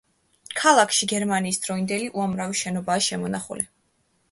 ქალაქში გერმანიის დროინდელი უამრავი შენობაა შემონახული.